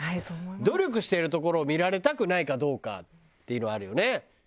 努力してるところを見られたくないかどうかっていうのはあるよね。